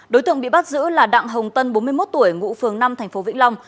đối tượng bị bắt giữ là đặng hồng tân bốn mươi một tuổi ngụ phường năm thành phố vĩnh long